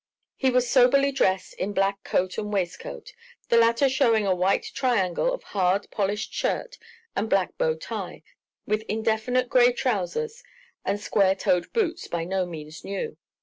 He was soberly dressed in black coat and waistcoat, the latter showing a white triangle of hard polished shirt and a black bow tie, with indefinite gray trousers and square toed boots by no means new.